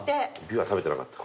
ビワ食べてなかった。